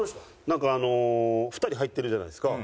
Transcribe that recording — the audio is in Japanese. なんかあの２人入ってるじゃないですか。